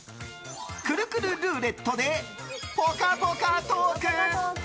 くるくるルーレットでぽかぽかトーク。